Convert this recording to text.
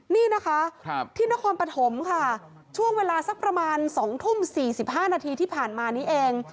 นี่นะคะที่นครปฐมค่ะช่วงเวลาสักประมาณ๒ทุ่ม๔๕นาทีที่ผ่านมานี้เอง